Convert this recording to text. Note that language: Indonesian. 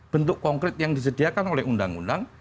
bentuk konkret yang disediakan oleh undang undang